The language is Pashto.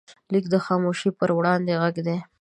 لیک د خاموشۍ پر وړاندې غږ دی.